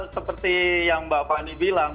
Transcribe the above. seperti yang mbak fani bilang